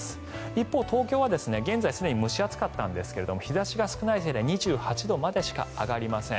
一方、東京は現在すでに蒸し暑かったんですが日差しが少ないせいで２８度までしか上がりません。